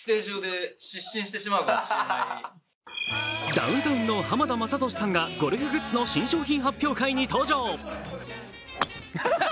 ダウンタウンの浜田雅功さんがゴルフグッズの新商品発表会に登場。